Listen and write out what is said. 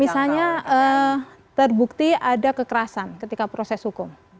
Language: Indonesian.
misalnya terbukti ada kekerasan ketika proses hukum